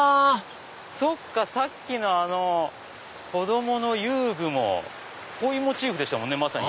そっかさっきの子供の遊具も鯉モチーフでしたねまさに。